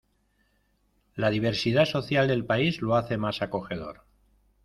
La diversidad social del país lo hace más acogedor.